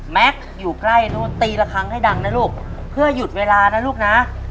อยู่ใกล้นู้นตีละครั้งให้ดังนะลูกเพื่อหยุดเวลานะลูกนะ